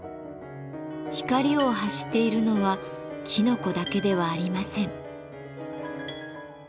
光を発しているのはきのこだけではありません。